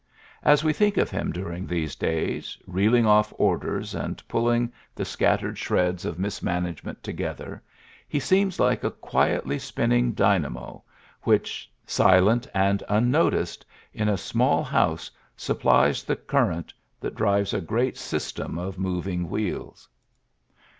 As we think of him during these days, reel ing off orders and pulling the scattered shreds of mismanagement together, he seems like a quietly spinning dynamo which, silent and unnoticed, in a small house, supplies the current thaA drives a great system of moving wheels.